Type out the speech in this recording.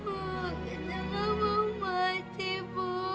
bu kita nggak mau mati bu